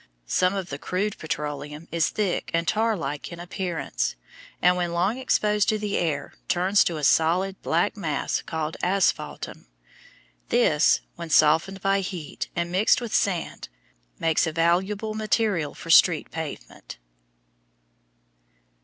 Some of the crude petroleum is thick and tar like in appearance, and when long exposed to the air turns to a solid black mass called "asphaltum." This, when softened by heat and mixed with sand, makes a valuable material for street pavement.